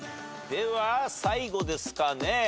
では最後ですかね。